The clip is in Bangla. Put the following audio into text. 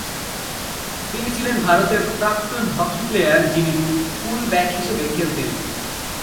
তিনি ছিলেন ভারতের প্রাক্তন হকি প্লেয়ার যিনি ফুল ব্যাক হিসেবে খেলতেন।